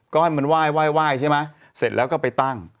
ก้อนมันไหว้ใช่ไหมเสร็จแล้วก็ไปตั้ง